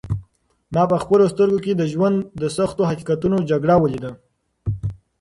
ما په خپلو سترګو کې د ژوند د سختو حقیقتونو جګړه ولیده.